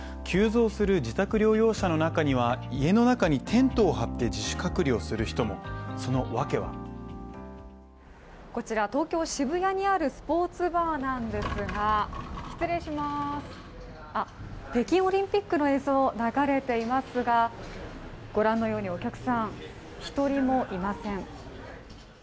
急増する自宅療養者の中には家の中にテントを張って自主隔離をする人も、その訳はこちら東京・渋谷にあるスポーツバーなんですが、北京オリンピックの映像流れていますが、御覧のように、お客さん１人もいません。